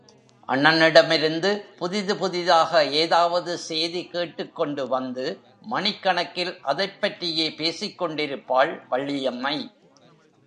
அண்ணனிடமிருந்து புதிது புதிதாக ஏதாவது சேதி கேட்டுக்கொண்டு வந்து மணிக் மணக்கில் அதைப் பற்றியே பேசிக் கொண்டிருப்பாள் வள்ளியம்மை.